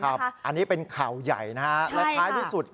อันนี้เป็นข่าวใหญ่นะฮะและท้ายที่สุด